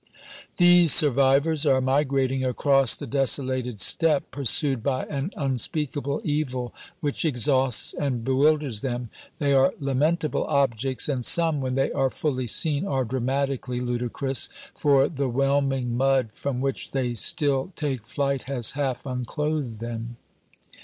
These survivors are migrating across the desolated steppe, pursued by an unspeakable evil which exhausts and bewilders them. They are lamentable objects; and some, when they are fully seen, are dramatically ludicrous, for the whelming mud from which they still take flight has half unclothed them.